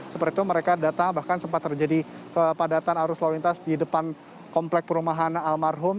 seperti itu mereka datang bahkan sempat terjadi kepadatan arus lalu lintas di depan komplek perumahan almarhum